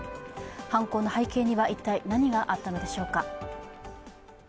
犯行の背景には一体、何があったのでしょうか？